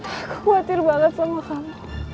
aku khawatir banget sama kamu